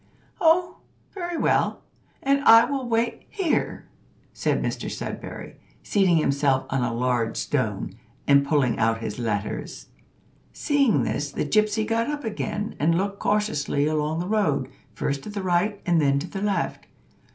"Oh! very well, and I will wait here," said Mr Sudberry, seating himself on a large stone, and pulling out his letters. Seeing this, the gypsy got up again, and looked cautiously along the road, first to the right and then to the left.